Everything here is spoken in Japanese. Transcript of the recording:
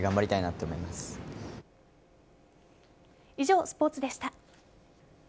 以上、スポーツでした。